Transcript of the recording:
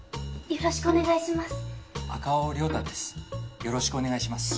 よろしくお願いします。